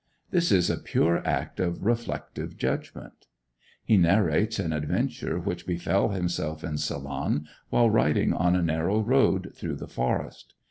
This is a pure act of reflective judgment. He narrates an adventure which befell himself in Ceylon while riding on a narrow road through the forest.